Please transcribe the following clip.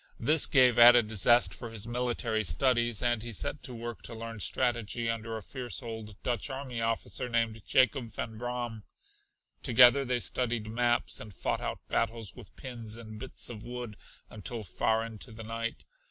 This gave added zest for his military studies and he set to work to learn strategy under a fierce old Dutch army officer named Jacob Van Braam. Together they studied maps and fought out battles with pins and bits of wood until far into the night.